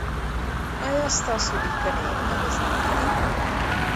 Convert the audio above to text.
ایا ستاسو لیکنې اغیزناکې دي؟